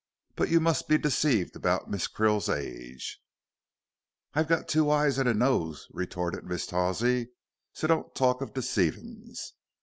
But you must be deceived about Miss Krill's age." "I've got two eyes an' a nose," retorted Mrs. Tawsey, "so don't talk of deceivin's.